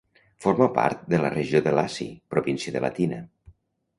Forma part de la regió de Laci, província de Latina.